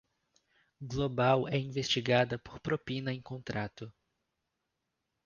Global é investigada por propina em contrato